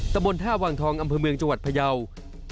ตะบนท่าวังทองอำเภอเมืองจังหวัดพยาว